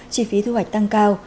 chi phí thu hoạch tăng cao